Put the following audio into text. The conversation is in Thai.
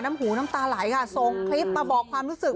หูน้ำตาไหลค่ะส่งคลิปมาบอกความรู้สึก